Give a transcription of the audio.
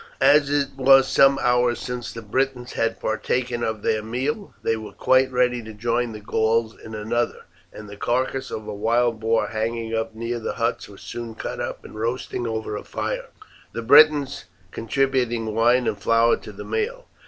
As it was some hours since the Britons had partaken of their meal they were quite ready to join the Gauls in another, and the carcass of a wild boar hanging up near the huts was soon cut up and roasting over a fire, the Britons contributing wine and flour to the meal.